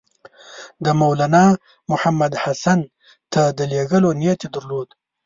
د مولنامحمود حسن ته د لېږلو نیت یې درلود.